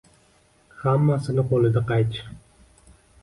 Ҳаммасининг қўлида қайчи